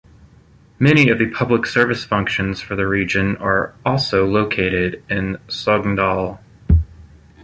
Many of the public service functions for the region are also located in Sogndal.